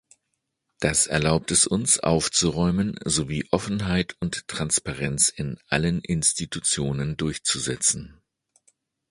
Das erlaubt es uns, aufzuräumen sowie Offenheit und Transparenz in allen Institutionen durchzusetzen.